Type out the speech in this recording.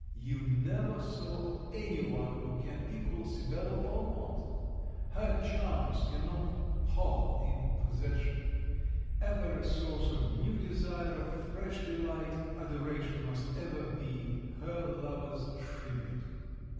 you never saw any one who can equal Sibella Valmont! Her charms cannot pall in possession. Ever a source of new desire, of fresh delight, adoration must ever be her lover's tribute!